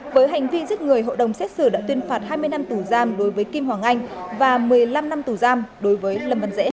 với hành vi giết người hội đồng xét xử đã tuyên phạt hai mươi năm tù giam đối với kim hoàng anh và một mươi năm năm tù giam đối với lâm văn dễ